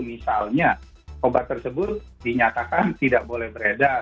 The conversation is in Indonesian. misalnya obat tersebut dinyatakan tidak boleh beredar